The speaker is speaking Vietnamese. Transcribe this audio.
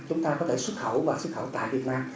chúng ta có thể xuất khẩu và xuất khẩu tại việt nam